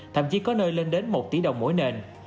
thậm chí có nơi lên đến một tỷ đồng mỗi nền